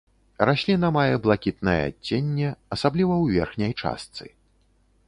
Расліна мае блакітнае адценне, асабліва ў верхняй частцы.